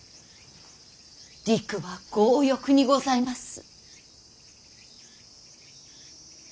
りくは強欲にございます。